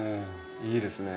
いいですね。